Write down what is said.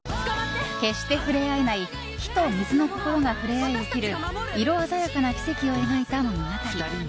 決して触れ合えない火と水の心が触れ合い、起きる色鮮やかな奇跡を描いた物語。